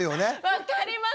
分かります！